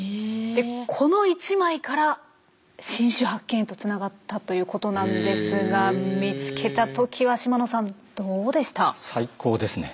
でこの１枚から新種発見へとつながったということなんですが見つけたときは島野さんどうでした？